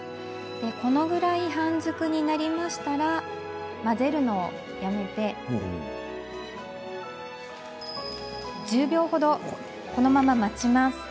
このぐらい半熟になりましたら混ぜるのをやめて１０秒ほど、このまま待ちます。